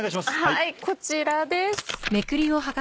はいこちらです。